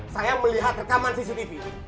saya melihat rekaman cctv